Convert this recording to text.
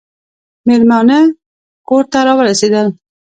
مېلمانه کور ته راورسېدل .